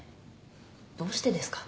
どうしてですか？